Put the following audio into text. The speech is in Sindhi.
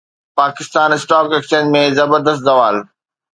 پاڪستان اسٽاڪ ايڪسچينج ۾ زبردست زوال